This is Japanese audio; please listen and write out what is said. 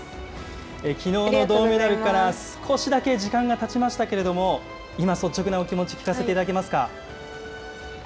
きのうの銅メダルから少しだけ時間がたちましたけれども、今、率直なお気持ち聞かせていただけますか。